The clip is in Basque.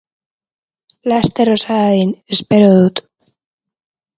Laster osa dadin espero dut.